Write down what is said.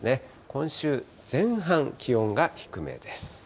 今週前半、気温が低めです。